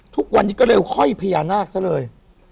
ทุกวันนี้ก็เร็วห้อยพญานาคซะเลย